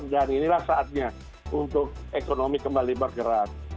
dan inilah saatnya untuk ekonomi kembali bergerak